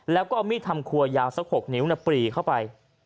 แล้วก็เอามีดทำครัวยาวสัก๖นิ้วปรีเข้าไป